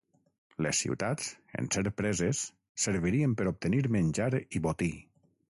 Les ciutats, en ser preses, servirien per obtenir menjar i botí.